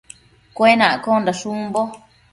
Cuenaccondash umbo